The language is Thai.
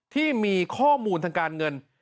ที่มีข้อมูลทางการเงิน